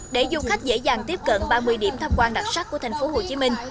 để du khách dễ dàng tiếp cận ba mươi điểm tham quan đặc sắc của thành phố hồ chí minh